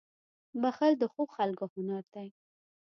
• بښل د ښو خلکو هنر دی.